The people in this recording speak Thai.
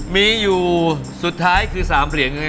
มีอยู่สุดท้ายคือ๓เหรียญ